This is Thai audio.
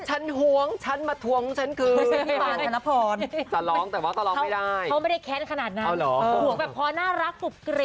ฉันห่วงฉันมะถวงฉันคือ